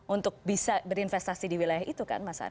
untuk bisa berinvestasi di wilayah itu kan mas ari